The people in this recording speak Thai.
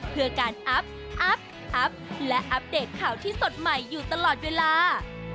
เพื่อการอัพอและอัปเดตข่าวที่สดใหม่อยู่ตลอดเวลา